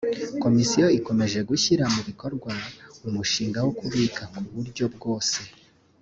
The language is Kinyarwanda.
komisiyo ikomeje gushyira mu bikorwa umushinga wo kubika ku buryo bwose